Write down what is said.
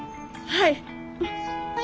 はい。